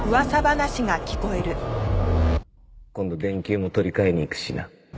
今度電球も取り換えに行くしな。